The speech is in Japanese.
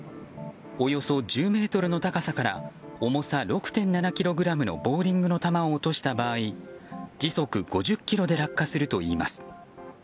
およそ１０ｍの高さから重さ６．７ｋｇのボウリングの球を落とした場合時速５０キロで落下するといいます。